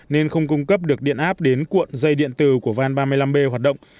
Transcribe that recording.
nên không cung cấp được điện áp đến cuộn dây điện tử của van ba mươi năm b hoạt động